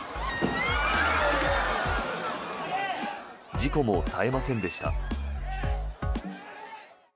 事故も絶えませんでした。